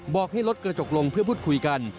บอกให้ลดกระจกลงเพื่อพูดคุยกัน